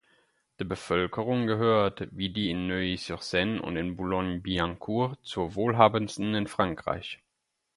Die Bevölkerung gehört, wie die in Neuilly-sur-Seine und in Boulogne-Billancourt, zur wohlhabendsten in Frankreich.